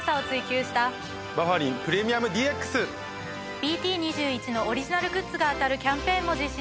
ＢＴ２１のオリジナルグッズが当たるキャンペーンも実施中です。